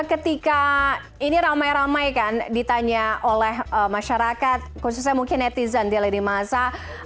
ketika ini ramai ramai kan ditanya oleh masyarakat khususnya mungkin netizen di lini masa